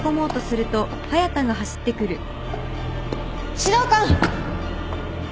指導官！